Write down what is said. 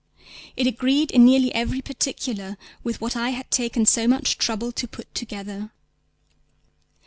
It agreed in nearly every particular with what I had taken so much trouble to put together.